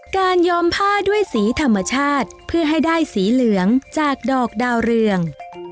ยอมผ้าด้วยสีธรรมชาติเพื่อให้ได้สีเหลืองจากดอกดาวเรือง